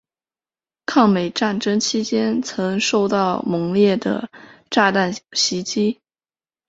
抗美战争期间曾受到猛烈的炸弹袭击。